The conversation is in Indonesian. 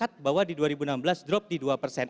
jadi angka bahwa di dua ribu enam belas drop di dua persen